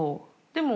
でも